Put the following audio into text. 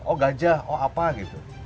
oh apa gitu